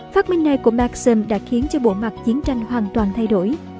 phát minh này của maxim đã khiến cho bộ mặt chiến tranh hoàn toàn thay đổi